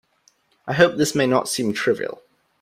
I hope this may not seem trivial.